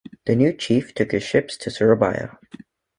The new chief took the ships to Surabaya.